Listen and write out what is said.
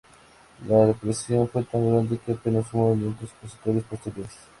La represión fue tan grande que apenas hubo movimientos opositores posteriores.